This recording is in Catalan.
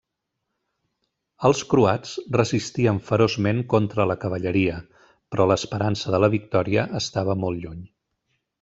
Els croats resistien feroçment contra la cavalleria, però l'esperança de la victòria estava molt lluny.